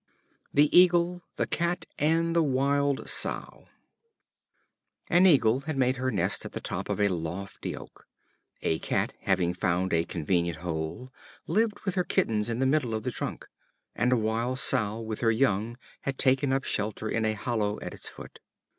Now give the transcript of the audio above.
The Eagle, the Cat, and the Wild Sow. An Eagle had made her nest at the top of a lofty oak. A Cat, having found a convenient hole, lived with her kittens in the middle of the trunk; and a Wild Sow with her young had taken shelter in a hollow at its foot.